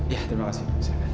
ya terima kasih